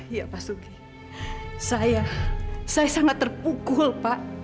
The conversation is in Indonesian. iya pak sugi saya saya sangat terpukul pak